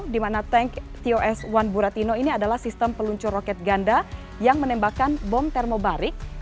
di mana tank tos satu buratino ini adalah sistem peluncur roket ganda yang menembakkan bom termobarik